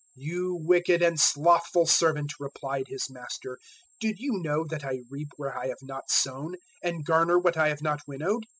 025:026 "`You wicked and slothful servant,' replied his master, `did you know that I reap where I have not sown, and garner what I have not winnowed?